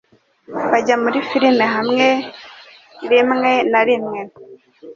Bajya muri firime hamwe rimwe na rimwe.